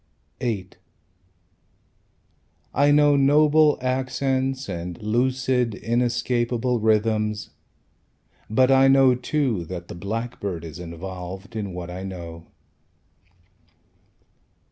VIII I know noble accents And lucid, inescapable rythms; But I know, too, That the blackbird is involved In what I know.